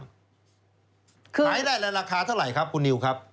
ขายได้ในราคาเท่าไหร่ครับคุณนิวครับ